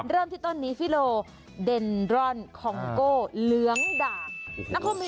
เริ่มที่ต้นนี้ฟิโลเดนรอนคองโก้เหลืองด่าง